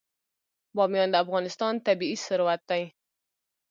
بامیان د افغانستان طبعي ثروت دی.